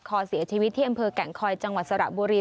คอเสียชีวิตที่อำเภอแก่งคอยจังหวัดสระบุรี